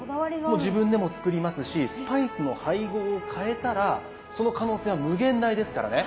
もう自分でも作りますしスパイスの配合を変えたらその可能性は無限大ですからね。